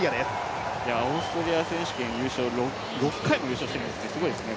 オーストリア選手権、６回も優勝しているんですね、すごいですね。